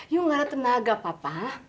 yuk gak ada tenaga papa